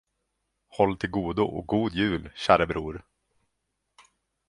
Håll till godo och god jul, käre bror!